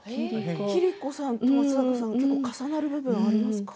桐子さんと松坂さんが重なる部分がありますか？